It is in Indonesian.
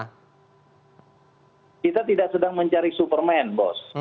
kita tidak sedang mencari superman bos